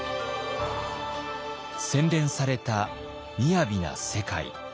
洗練されたみやびな世界。